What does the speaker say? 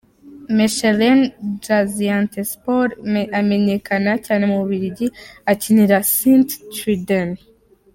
Mechelen, Gaziantepspor, amenyekana cyane mu Bubiligi akinira Sint-Truiden.